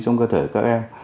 trong cơ thể các em